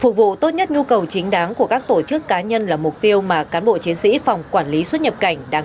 có thể thực hiện giao dịch vào bất kỳ thời gian nào trong ngày